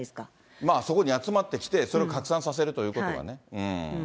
まあ、そこに集まってきて、それを拡散させるということはね。